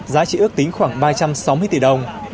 giá trị ước tính khoảng ba trăm sáu mươi tỷ đồng